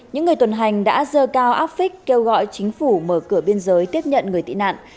những người tuần hành đã dơ cao áp phích kêu gọi chính phủ mở cửa biên giới tiếp nhận người tị nạn